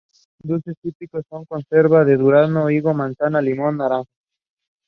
Credits from All Music Italia.